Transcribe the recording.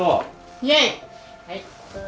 イエイ！